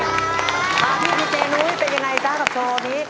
ค่ะพี่พี่เจนุ้ยเป็นอย่างไรกับโชว์พี่